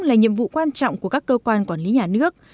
là nhiệm vụ quan trọng của các cơ quan quản lý nhà nước